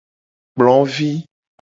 Ekplo vi.